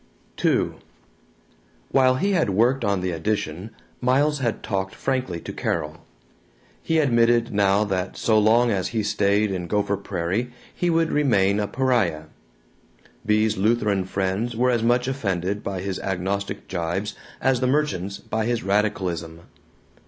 II While he had worked on the addition Miles had talked frankly to Carol. He admitted now that so long as he stayed in Gopher Prairie he would remain a pariah. Bea's Lutheran friends were as much offended by his agnostic gibes as the merchants by his radicalism.